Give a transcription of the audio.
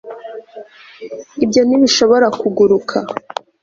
ibyo ntibishobora kuguruka